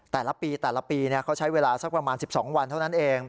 แต่ละปีแต่ละปีเขาใช้เวลาสักประมาณ๑๒วันเท่านั้นเอง